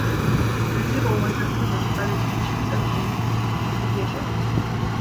Ausubel was influenced by the teachings of Jean Piaget.